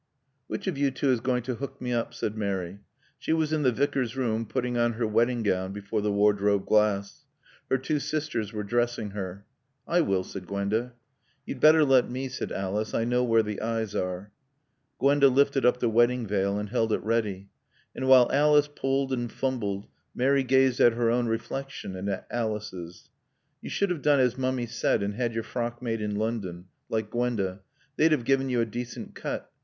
"Which of you two is going to hook me up?" said Mary. She was in the Vicar's room, putting on her wedding gown before the wardrobe glass. Her two sisters were dressing her. "I will," said Gwenda. "You'd better let me," said Alice. "I know where the eyes are." Gwenda lifted up the wedding veil and held it ready. And while Alice pulled and fumbled Mary gazed at her own reflection and at Alice's. "You should have done as Mummy said and had your frock made in London, like Gwenda. They'd have given you a decent cut.